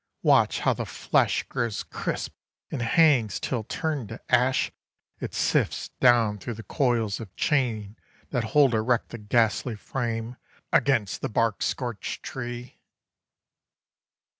Watch how the flesh Grows crisp and hangs till, turned to ash, it sifts Down through the coils of chain that hold erect The ghastly frame against the bark scorched tree.